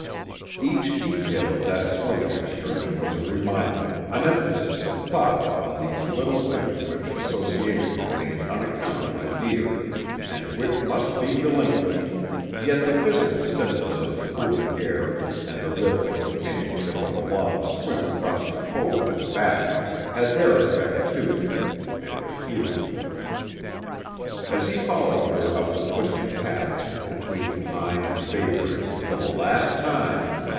Each detail of that swimming excursion was a reminder; an emphasis of thought upon these little things which association had made unaccountably dear, and which must be relinquished, yet the physical stimulus of the cooling water and the rhythmic companionship of the long swim across the cove and back had their effect, too, and were healing. As he followed her up the twisting path ... between pine and bayberry ... for the last time